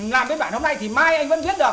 làm biên bản hôm nay thì mai anh vẫn viết được